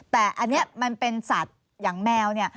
แต่อันนี้มันเป็นสัตว์อย่างแมวเนี่ย